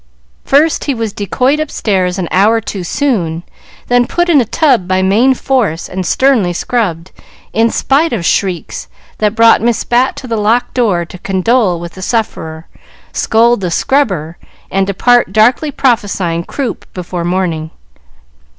First, he was decoyed upstairs an hour too soon, then put in a tub by main force and sternly scrubbed, in spite of shrieks that brought Miss Bat to the locked door to condole with the sufferer, scold the scrubber, and depart, darkly prophesying croup before morning.